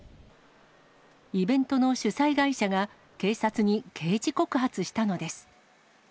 イベントの主催会社が、警察に刑事告発したのです。